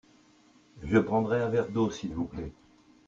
Je prendrai un verre d'eau s'il vous plait.